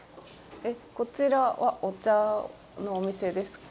こちらはお茶のお店ですか？